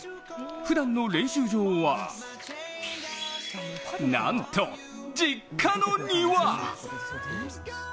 ふだんの練習場はなんと、実家の庭。